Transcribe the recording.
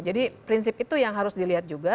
jadi prinsip itu yang harus dilihat juga